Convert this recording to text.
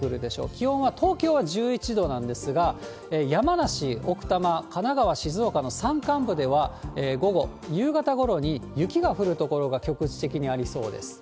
気温は東京は１１度なんですが、山梨、奥多摩、神奈川、静岡の山間部では午後、夕方ごろに雪が降る所が局地的にありそうです。